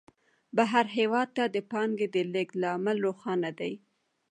بهر هېواد ته د پانګې د لېږد لامل روښانه دی